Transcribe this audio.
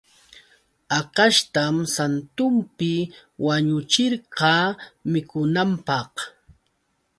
Hakashtam santunpi wañuchirqa mikunanpaq.